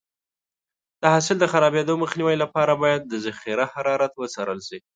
د حاصل د خرابېدو مخنیوي لپاره باید د ذخیره حرارت وڅارل شي.